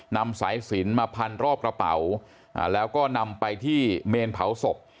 นำสายสินมาพันรอบกระเป๋าแล้วก็นำไปที่เมนเผาศพ